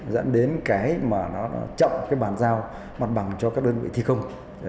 dẫn đến cái mà nó chậm cái bàn giao mặt bằng cho các đơn vị thi công